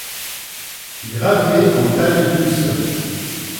Gravé en taille douce.